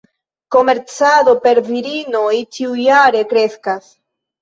La komercado per virinoj ĉiujare kreskas.